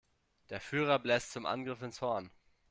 Der Führer bläst zum Angriff ins Horn.